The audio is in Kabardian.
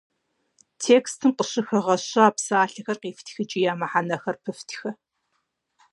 Текстым къыщыхэгъэща псалъэхэр къифтхыкӏи я мыхьэнэхэр пыфтхэ.